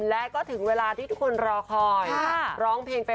นั่นก็คือเลขนี้ค่ะ